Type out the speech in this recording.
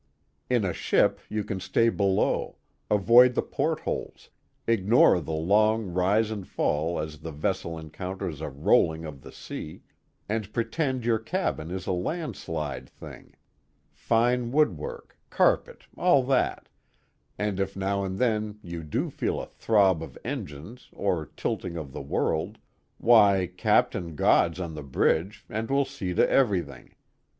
In a ship you can stay below, avoid the portholes, ignore the long rise and fall as the vessel encounters a rolling of the sea, and pretend your cabin is a landside thing: fine woodwork, carpet, all that, and if now and then you do feel a throb of engines or tilting of the world, why, Captain God's on the bridge and will see to everything.